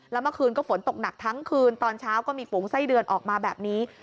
แล้วเมื่อคืนก็ฝนตกหนักทั้งคืนตอนเช้าก็มีฝูงไส้เดือนออกมาแบบนี้